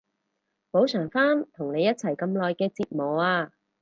補償返同你一齊咁耐嘅折磨啊